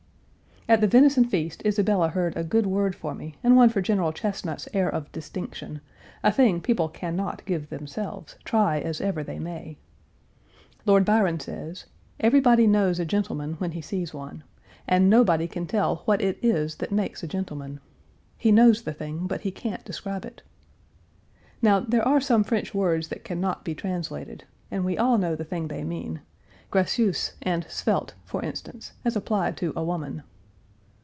At the venison feast Isabella heard a good word for me and one for General Chesnut's air of distinction, a thing people can not give themselves, try as ever they may. Lord Byron says, Everybody knows a gentleman when he sees one, and nobody can tell what it is that makes a gentleman. He knows the thing, but he can't describe it. Now there are some French words that can not be translated, and we all know the thing they mean gracieuse and svelte, for instance, as applied to a woman.